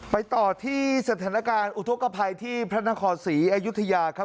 ไปต่อที่สถานการณ์อุทธกภัยที่พระนครศรีอยุธยาครับ